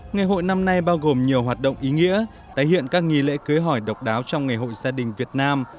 ngày hội năm nay bao gồm nhiều hoạt động ý nghĩa tái hiện các nghi lễ cưới hỏi độc đáo trong ngày hội gia đình việt nam